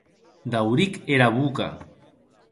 Dauric era boca.